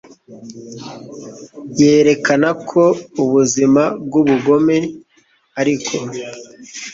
yerekana ko ubuzima bwubugome ariko